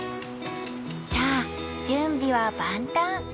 さあ準備は万端！